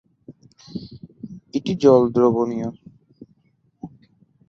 এটি জল দ্রবণীয়।